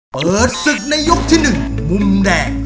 เปิดศึกในยกที่หนึ่งมุมแดก